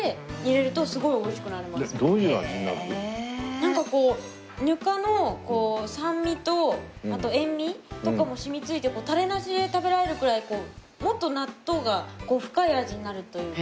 なんかこうぬかの酸味とあと塩味とかも染みついてタレなしで食べられるくらいもっと納豆が深い味になるというか。